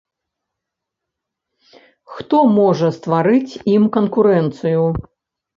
Хто можа стварыць ім канкурэнцыю?